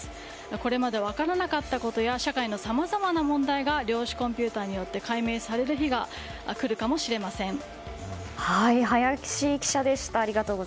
これまで分からなかったことや社会のさまざまな問題が量子コンピューターによって解明される日が林記者でした。